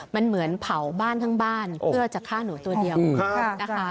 มันเหมือนเผาบ้านทั้งบ้านเพื่อจะฆ่าหนูตัวเดียวนะคะ